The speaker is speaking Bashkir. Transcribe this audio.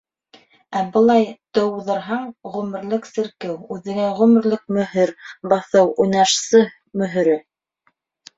Ә былай... тыуҙырһаң... ғүмерлек серкеү, үҙеңә ғүмерлек мөһөр баҫыу - уйнашсы мөһөрө...